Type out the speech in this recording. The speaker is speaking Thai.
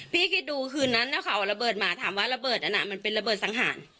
พี่กิจดูคืนนั้นแล้วเขาเอาระเบิดมาถามว่าระเบิดอันน่ะมันเป็นระเบิดสังหาร